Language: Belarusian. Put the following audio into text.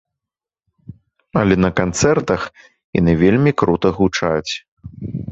Але на канцэртах яны вельмі крута гучаць.